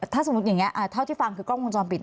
ถ้าสมมุติอย่างนี้เท่าที่ฟังคือกล้องวงจรปิด